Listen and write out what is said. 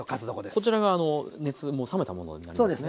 こちらが熱もう冷めたものになりますね。